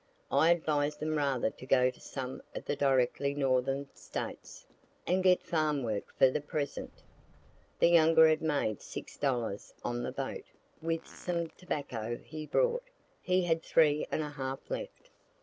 I advised them rather to go to some of the directly northern States, and get farm work for the present. The younger had made six dollars on the boat, with some tobacco he brought; he had three and a half left.